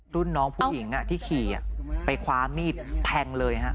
รุ่นน้องผู้หญิงที่ขี่ไปคว้ามีดแทงเลยฮะ